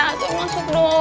aduh masuk dong